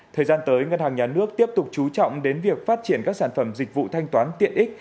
thời gian tới ngân hàng nhà nước tiếp tục chú trọng đến việc phát triển các sản phẩm dịch vụ thanh toán tiện ích